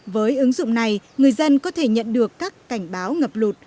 với ứng dụng này người dân có thể nhận được các cảnh báo ngập lụt